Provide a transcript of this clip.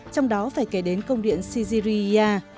trong đó phải kể đến công điện sijiriya